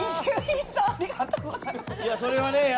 いやそれはね